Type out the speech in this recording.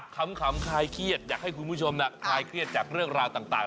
ขำคลายเครียดอยากให้คุณผู้ชมคลายเครียดจากเรื่องราวต่าง